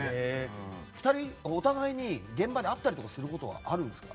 ２人、お互いに現場で会ったりすることはあるんですか？